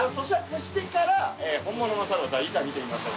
咀嚼してから本物の猿をいざ見てみましょう。